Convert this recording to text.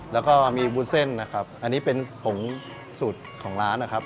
แล้วก็มีวุ้นเส้นนะครับอันนี้เป็นผงสูตรของร้านนะครับ